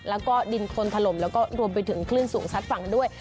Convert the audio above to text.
แล้วก็ดินคนถล่มแล้วก็รวมไปถึงคลื่นสูงซัดฝั่งด้วย